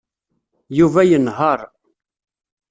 Yuba yenheṛ.